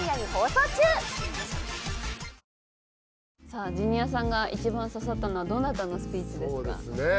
さあジュニアさんが一番刺さったのはどなたのスピーチですか？